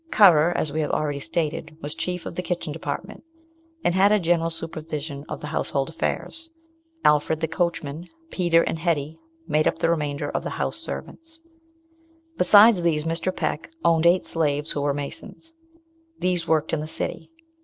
Currer, as we have already stated, was chief of the kitchen department, and had a general supervision of the household affairs. Alfred the coachman, Peter, and Hetty made up the remainder of the house servants. Besides these, Mr. Peck owned eight slaves who were masons. These worked in the city.